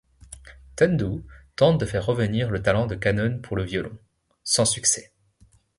Tendou tente de faire revenir le talent de Kanon pour le violon, sans succès.